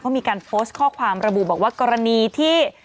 เขามีการโพสต์ข้อความระบุบอกว่ากรณีที่